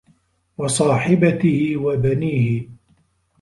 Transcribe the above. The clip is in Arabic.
وَصاحِبَتِهِ وَبَنيهِ